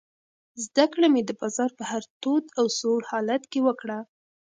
زده کړه مې د بازار په هر تود او سوړ حالت کې وکړه.